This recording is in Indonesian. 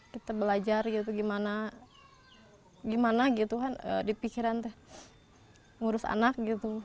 kita belajar gitu gimana gimana gitu kan dipikiran ngurus anak gitu